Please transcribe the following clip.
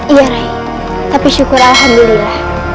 iya ray tapi syukur alhamdulillah